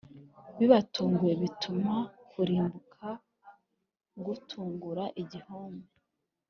Bibatunguye bituma kurimbuka gutungura igihome